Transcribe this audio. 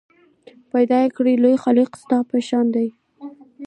پیدا کړی لوی خالق دا ستا په شان دی